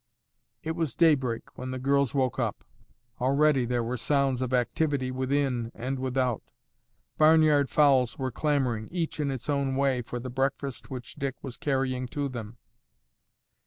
It was daybreak when the girls woke up. Already there were sounds of activity within and without. Barnyard fowls were clamoring, each in its own way, for the breakfast which Dick was carrying to them.